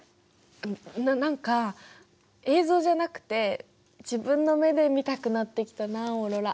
何か映像じゃなくて自分の目で見たくなってきたなあオーロラ。